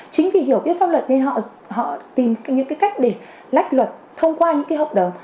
chính vì hiểu biết pháp luật nên họ tìm những cách để lách luật thông qua những hợp đồng